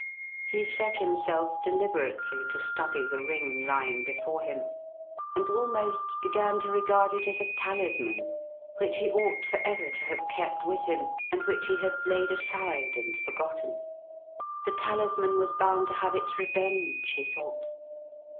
He set himself deliberately to study the ring lying before him, and almost began to regard it as a talisman which he ought for ever to have kept with him, and which he had laid aside and forgotten. The talisman was bound to have its revenge, he thought.